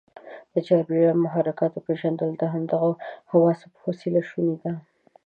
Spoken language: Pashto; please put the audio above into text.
د چاپیریال محرکاتو پېژندل د همدغو حواسو په وسیله شونې ده.